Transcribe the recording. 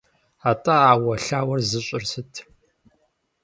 АтӀэ а Ӏэуэлъауэр зыщӀыр сыт?